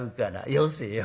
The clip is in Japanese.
『よせよ。